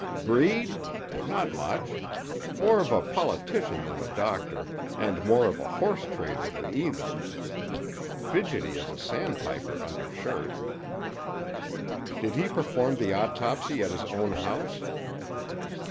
"Breed? Not much. More of a politician than a doctor, and more of a horse trader than either. Fidgety as a sandpaper undershirt." "Did he perform the autopsy at his own house?"